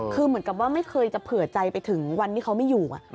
คือเหมือนกับว่าไม่เคยจะเผื่อใจไปถึงวันที่เขาไม่อยู่